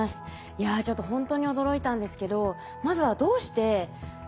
いやちょっとほんとに驚いたんですけど。